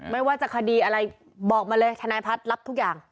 ไม่ว่าจะคดีอะไรบอกมาเลยทนายพัฒน์รับทุกอย่าง